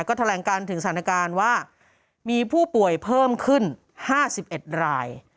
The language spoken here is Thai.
ก็แถลงการถึงสถานการณ์ว่ามีผู้ป่วยเพิ่มขึ้น๕๑ราย